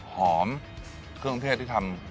หอมเครื่องเทศที่ทำ